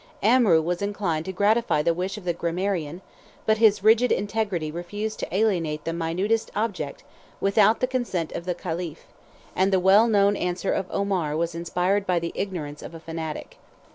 Amrou was inclined to gratify the wish of the grammarian, but his rigid integrity refused to alienate the minutest object without the consent of the caliph; and the well known answer of Omar was inspired by the ignorance of a fanatic.